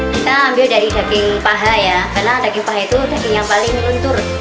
kita ambil dari daging paha ya karena daging paha itu daging yang paling luntur